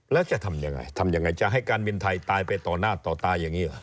แล้วจะทำยังไงทำยังไงจะให้การบินไทยตายไปต่อหน้าต่อตาอย่างนี้หรอ